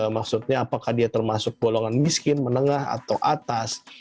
maksudnya apakah dia termasuk golongan miskin menengah atau atas